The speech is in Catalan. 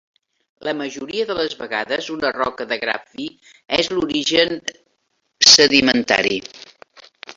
La majoria de les vegades una roca de gra fi és d'origen sedimentari.